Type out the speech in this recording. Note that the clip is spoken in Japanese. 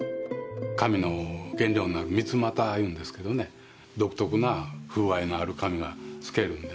紙の原料になるミツマタいうんですけどね独特な風合いのある紙が漉けるんでね